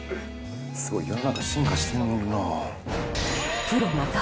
すごい、世の中進化してるなぁ。